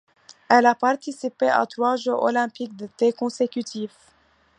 Elle a participé à trois Jeux olympiques d'été consécutifs.